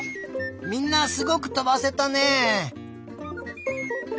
みんなすごくとばせたね！